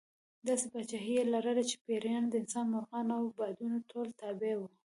داسې پاچاهي یې لرله چې پېریان، انسانان، مرغان او بادونه ټول تابع وو.